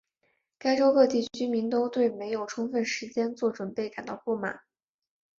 该州各地居民都对没有充分时间做准备感到不满。